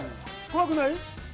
怖くない？